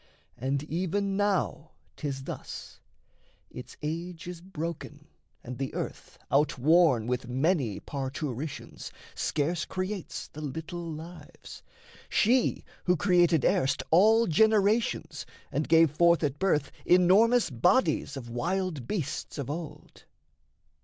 And even now 'tis thus: Its age is broken and the earth, outworn With many parturitions, scarce creates The little lives she who created erst All generations and gave forth at birth Enormous bodies of wild beasts of old.